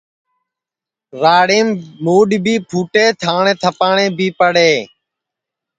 راڑیم مُڈؔ بھی پھُٹے تھاٹؔے تھپاٹؔے بھی پڑے